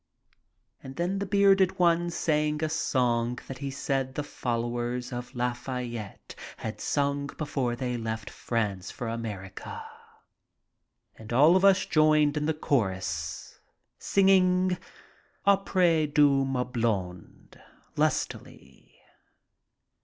And then the bearded one sang a song that he said the fol lowers of Lafayette had sung before they left France for America. And all of us joined in the chorus, singing "Apris de ma blonde" lustily.